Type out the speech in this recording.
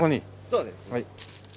そうですね。